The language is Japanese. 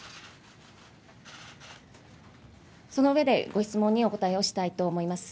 その上で、ご質問にお答えをしたいと思います。